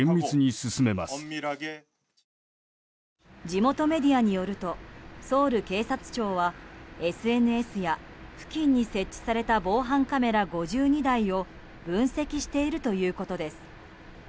地元メディアによるとソウル警察庁はＳＮＳや付近に設置された防犯カメラ５２台を分析しているということです。